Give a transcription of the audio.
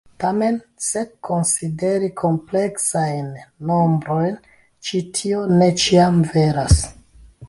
Tamen se konsideri kompleksajn nombrojn, ĉi tio ne ĉiam veras.